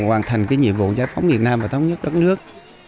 hoàn thành cái nhiệm vụ giải phóng miền nam và thống nhất đất nước